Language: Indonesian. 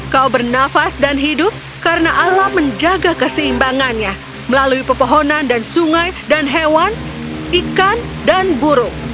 kau bernafas dan hidup karena alam menjaga keseimbangannya melalui pepohonan dan sungai dan hewan ikan dan burung